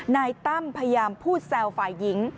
นายตั้มพยายามพูดแซวฝ่ายหญิง